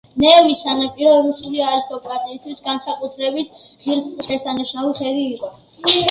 ნევის სანაპირო რუსული არისტოკრატიისთვის განსაკუთრებით ღირსშესანიშნავი ხედი იყო.